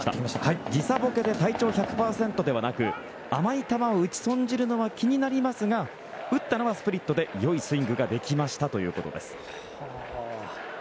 時差ボケで体調１００％ではなく甘い球を打ち損じるのは気になりますが打ったのはスプリットでいいスイングができましたということです。